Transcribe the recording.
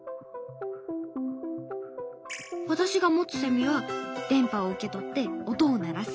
私が持つセミは電波を受け取って音を鳴らす。